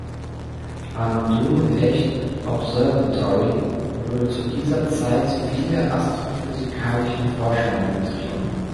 Am Dun Echt Observatory wurde zu dieser Zeit viele astrophysikalischen Forschungen betrieben.